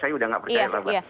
saya sudah tidak percaya